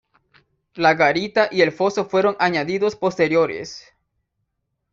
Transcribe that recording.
La garita y el foso fueron añadidos posteriores.